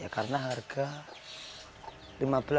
karena harga rp lima belas